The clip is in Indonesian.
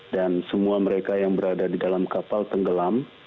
dan semua mereka yang berada di dalam kapal tenggelam